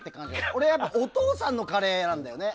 俺はやっぱりお父さんのカレーなんだよね。